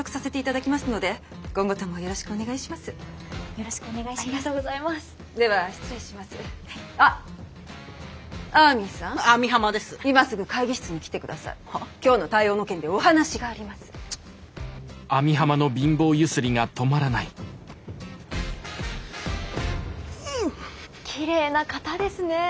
きれいな方ですね。